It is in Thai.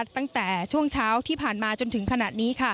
ตั้งแต่ช่วงเช้าที่ผ่านมาจนถึงขณะนี้